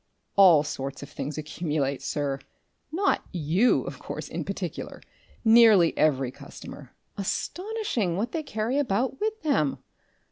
"All sorts of things accumulate, sir.... Not YOU, of course, in particular.... Nearly every customer.... Astonishing what they carry about with them...."